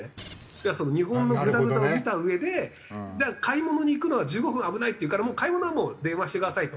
だからその日本のグダグダを見たうえで。じゃあ買い物に行くのは１５分危ないっていうからもう買い物は電話してくださいと。